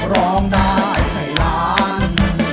ร้องได้ให้ล้าน